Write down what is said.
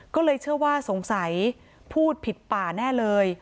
ก็เลยเชื่อว่าสงสัยพูดผิดป่าแน่เลย